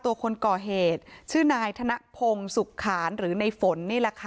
ตัวคนก่อเหตุชื่อนายทะนะพงศุกขาน